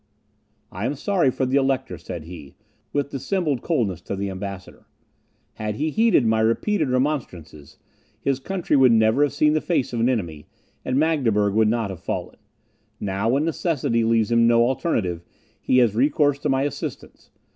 "I am sorry for the Elector," said he, with dissembled coldness, to the ambassador; "had he heeded my repeated remonstrances, his country would never have seen the face of an enemy, and Magdeburg would not have fallen. Now, when necessity leaves him no alternative, he has recourse to my assistance.